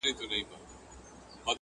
په هر ځای کي چي مي وغواړی حضور یم،